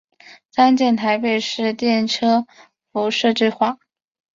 参见台北市电车敷设计画。